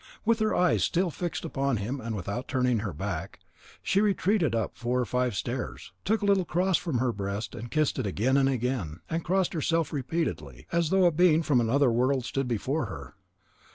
With her eyes still fixed upon him and without turning her back, she retreated up four or five stairs, took a little cross from her breast, kissed it again and again, and crossed herself repeatedly, as though a being from the other world stood before her.